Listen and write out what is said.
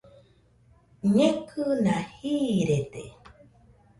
Ñekɨna jiiride